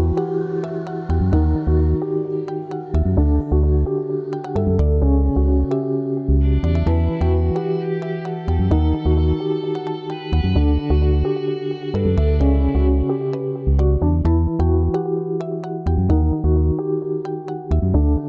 terima kasih dr gamal